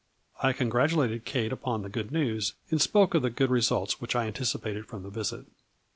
I congrat ulated Kate upon the good news, and spoke of the good results which I anticipated from the visit.